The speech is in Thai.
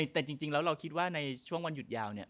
แต่จริงแล้วเราคิดว่าในช่วงวันหยุดยาวเนี่ย